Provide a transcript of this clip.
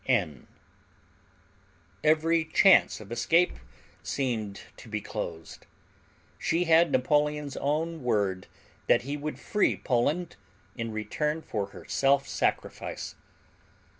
N. Every chance of escape seemed to be closed. She had Napoleon's own word that he would free Poland in return for her self sacrifice.